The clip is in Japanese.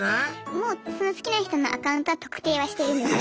もうその好きな人のアカウントは「特定」はしてるんですけど。